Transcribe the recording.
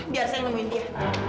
biar saya nungguin dia